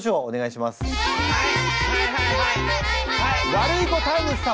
ワルイコタイムス様。